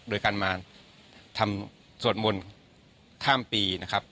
โดยการมาทำสวดมนต์ข้ามปีนะครับ